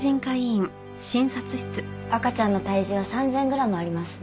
赤ちゃんの体重は３０００グラムありますね。